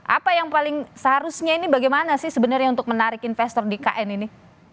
apa yang paling seharusnya ini bagaimana sih sebenarnya untuk menarik investor di kn ini